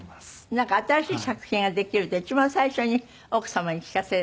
なんか新しい作品ができると一番最初に奥様に聴かせる。